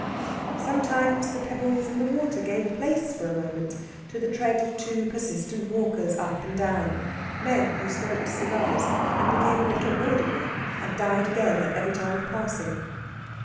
Sometimes the pebbles and the water gave place for a moment to the tread of two persistent walkers up and down men who smoked cigars, and became a little audible and died again at every time of passing.